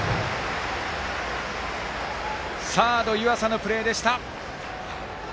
サード、湯浅のプレーでした。